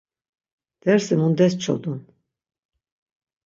Dersi mundes çodun.